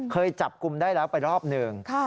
เคยจับกลุ่มได้แล้วไปรอบหนึ่ง